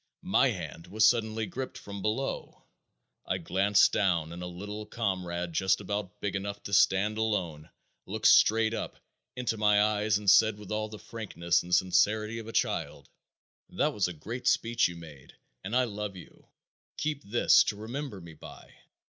My hand was suddenly gripped from below. I glanced down and a little comrade just about big enough to stand alone looked straight up into my eyes and said with all the frankness and sincerity of a child: "That was a great speech you made and I love you; keep this to remember me by."